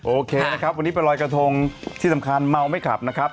โอเคนะครับวันนี้เป็นรอยกระทงที่สำคัญเมาไม่ขับนะครับ